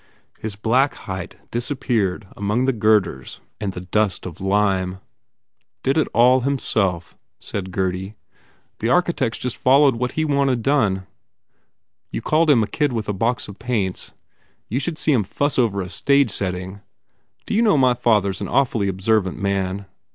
His black height disappeared among the girders and the dust of lime. "Did it all himself," said Gurdy. "The archi tects just followed what he wanted done. You called him a kid with a box of paints. You 181 THE FAIR REWARDS should see him fuss over a stage setting! D you know my father s an awfully observant man.